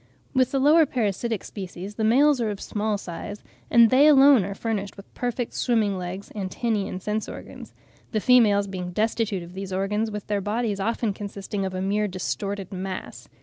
With the lower parasitic species the males are of small size, and they alone are furnished with perfect swimming legs, antennae and sense organs; the females being destitute of these organs, with their bodies often consisting of a mere distorted mass.